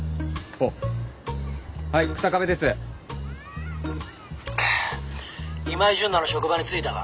「ああ今井純奈の職場に着いたか？」